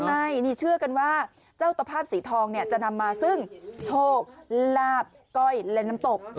ใช่นี่เชื่อกันว่าเจ้าตภาพสีทองเนี่ยจะนำมาซึ่งโชคลาบก้อยและน้ำตก